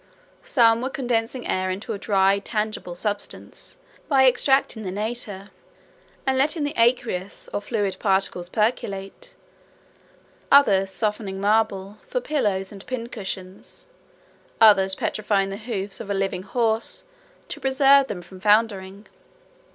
Some were condensing air into a dry tangible substance, by extracting the nitre, and letting the aqueous or fluid particles percolate; others softening marble, for pillows and pin cushions; others petrifying the hoofs of a living horse, to preserve them from foundering.